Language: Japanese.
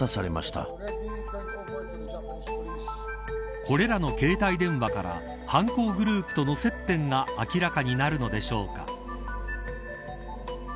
これらの携帯電話から犯行グループとの接点が明らかになるのでしょうか。